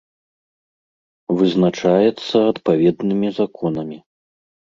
Вызначаецца адпаведнымі законамі.